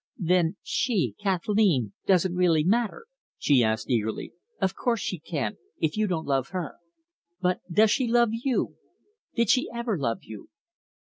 "Then she Kathleen doesn't really matter?" she asked eagerly. "Of course she can't, if you don't love her. But does she love you? Did she ever love you?"